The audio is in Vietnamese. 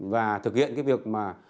và thực hiện việc